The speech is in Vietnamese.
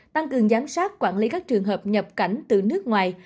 tăng cường giám sát quản lý các trường hợp nhập cảnh từ nước ngoài